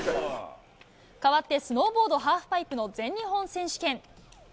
かわって、スノーボードハーフパイプの全日本選手権。